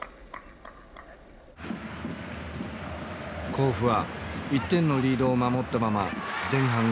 甲府は１点のリードを守ったまま前半を終えた。